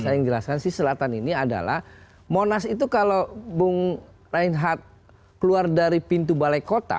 saya ingin jelaskan sisi selatan ini adalah monas itu kalau bung reinhardt keluar dari pintu balai kota